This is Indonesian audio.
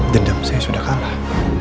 dendam saya sudah kalah